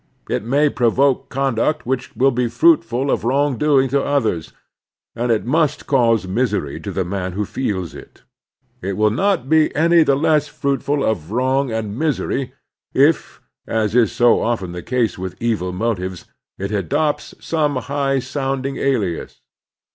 It may pro voke conduct which will be fruitful of wrong doing to others, and it must cause misery to the man who feels it. It will not be any the less fruitful of wrong and misery if, as is so often the case with evil motives, it adopts some high sounding alias.